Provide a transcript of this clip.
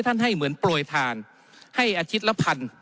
ท่านให้เหมือนโปรยทานให้อาชิตละพัน